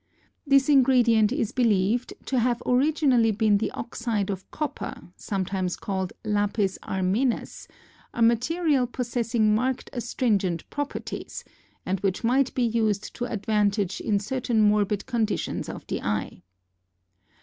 This ingredient is believed to have originally been the oxide of copper sometimes called lapis Armenus, a material possessing marked astringent properties, and which might be used to advantage in certain morbid conditions of the eye.